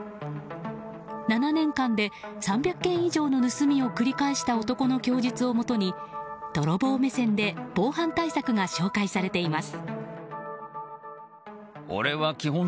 ７年間で３００件以上の盗みを繰り返した男の供述をもとに泥棒目線で防犯対策が紹介されています。